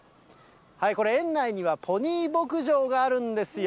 これ、園内にはポニー牧場があるんですよ。